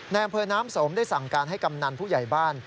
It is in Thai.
อำเภอน้ำสมได้สั่งการให้กำนันผู้ใหญ่บ้าน